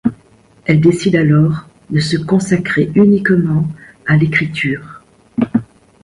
Elle décide alors de se consacrer uniquement à l’écriture.